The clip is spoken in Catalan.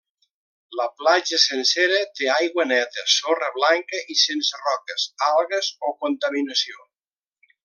La platja sencera té aigua neta, sorra blanca i sense roques, algues o contaminació.